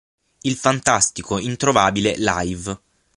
Il fantastico introvabile live.